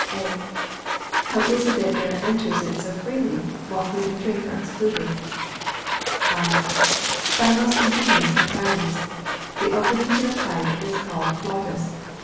A. How is it that air enters it so freely, while food and drink are excluded? I. By a most ingenious contrivance. The opening to the pipe is called glottis.